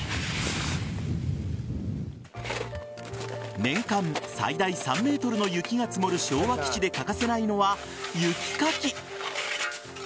年間最大３ｍの雪が積もる昭和基地で欠かせないのは雪かき。